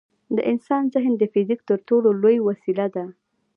د انسان ذهن د فزیک تر ټولو لوی وسیله ده.